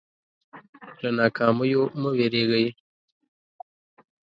له ناکامیو مه وېرېږئ.